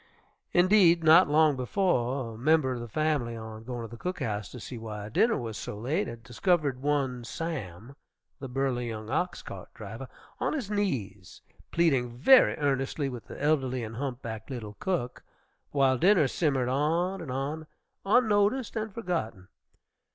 Indeed, not long before, a member of the family, on going to the cook house to see why dinner was so late, had discovered one Sam, the burly young ox cart driver, on his knees, pleading very earnestly with the elderly and humpbacked little cook, while dinner simmered on and on, unnoticed and forgotten.